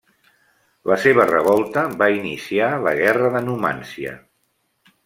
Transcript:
La seva revolta va iniciar la guerra de Numància.